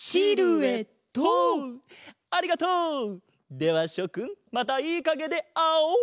ではしょくんまたいいかげであおう！